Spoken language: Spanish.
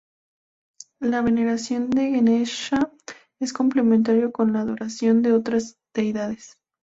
La veneración a Ganesha es complementario con la adoración de otras deidades.